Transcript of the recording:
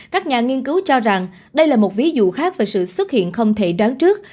các nhà nghiên cứu cho rằng đây là một ví dụ khác về sự xuất hiện không thể đoán trước